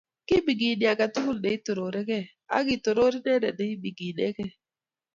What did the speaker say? Kimingini aketugul neitororigei , aketoror inendet ne iminingei